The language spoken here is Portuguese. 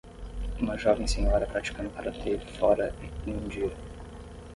Uma jovem senhora praticando karatê fora em um dia.